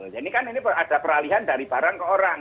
jadi kan ini ada peralihan dari barang ke orang